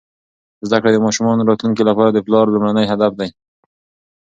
زده کړه د ماشومانو راتلونکي لپاره د پلار لومړنی هدف دی.